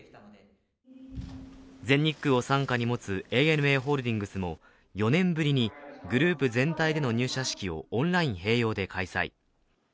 全日空を傘下に持つＡＮＡホールディングスも４年ぶりにグループ全体での入社式をオンライン併用で開催。